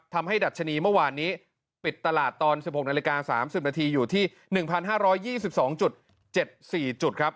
ดัชนีเมื่อวานนี้ปิดตลาดตอน๑๖นาฬิกา๓๐นาทีอยู่ที่๑๕๒๒๗๔จุดครับ